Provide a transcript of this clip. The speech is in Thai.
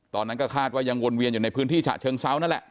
ตอนนั้นก็คาดว่ายังวนเวียนอยู่ในพื้นที่ฉะเชิงเซานั่นแหละ